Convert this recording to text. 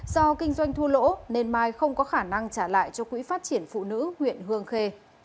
do kinh doanh thua lỗ nên mai không có khả năng trả lại cho quỹ phát triển phụ nữ huyện hương khê